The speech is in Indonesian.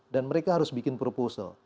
dan mereka harus bikin proposal